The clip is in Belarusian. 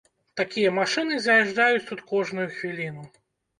Такія машыны заязджаюць тут кожную хвіліну.